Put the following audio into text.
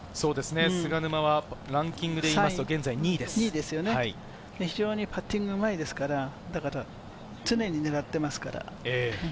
菅沼はランキングでいい非常にパッティングがうまいですから、常に狙っていますから。